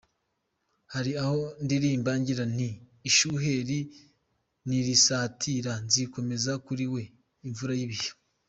Hari aho ndirimba ngira nti ‘ishuheri nirisatira nzikomeza kuri we, imvura y’ibihe